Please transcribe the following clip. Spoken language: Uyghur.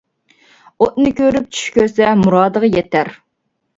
ئوتنى كۆرۈپ چۈش كۆرسە مۇرادىغا يىتەر.